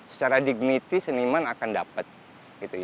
secara dignity seniman akan dapat